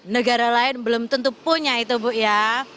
negara lain belum tentu punya itu bu ya